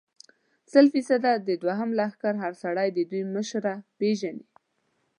سل فیصده، د دوهم لښکر هر سړی د دوی مشره پېژني.